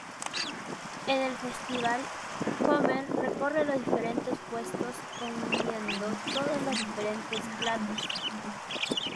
En el festival, Homer recorre los diferentes puestos comiendo todos los diferentes platos.